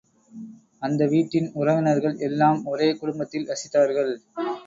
அந்த வீட்டின் உறவினர்கள் எல்லாம் ஒரே குடும்பத்தில் வசித்தார்கள்.